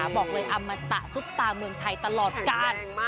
บอกเลยอมรรตะจุ๊บตาเมืองไทยตลอดกัน